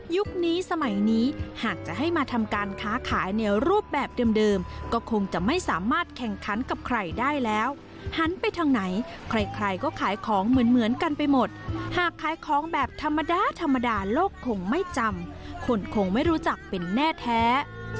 นี้สมัยนี้หากจะให้มาทำการค้าขายในรูปแบบเดิมก็คงจะไม่สามารถแข่งขันกับใครได้แล้วหันไปทางไหนใครก็ขายของเหมือนกันไปหมดหากขายของแบบธรรมดาธรรมดาโลกคงไม่จำคนคงไม่รู้จักเป็นแน่แท้